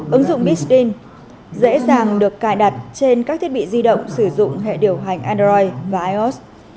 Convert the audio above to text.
ứng dụng busine dễ dàng được cài đặt trên các thiết bị di động sử dụng hệ điều hành android và ios